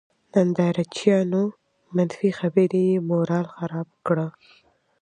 نندارچيانو، منفي خبرې یې مورال خراب کړ.